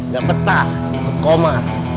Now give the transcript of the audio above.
gak petah ke koma